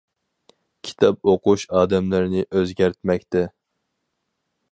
كىتاب ئوقۇش ئادەملەرنى ئۆزگەرتمەكتە.